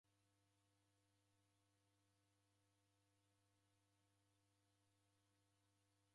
W'ana w'engi w'asumbulwa ni makongo ghenekeriana.